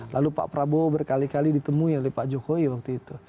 lalu pak prabowo berkali kali ditemui oleh pak jokowi waktu itu